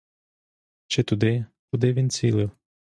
Чи туди, куди він цілив?